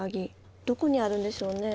どこにあるんでしょうね？